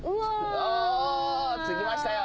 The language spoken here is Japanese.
お着きましたよ。